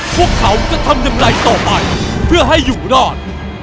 พวกเขาจะทำอย่างไรต่อไปเพื่อให้อยู่รอด